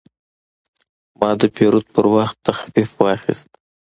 ما د پیرود پر وخت تخفیف واخیست.